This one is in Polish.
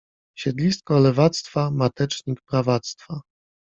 Siedlisko lewactwa. Matecznik prawactwa.